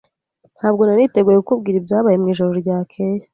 Ntabwo nari nateguye kukubwira ibyabaye mwijoro ryakeye.